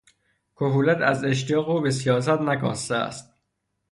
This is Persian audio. کهولت از اشتیاق او به سیاست نکاسته است.